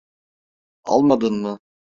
Almadın mı?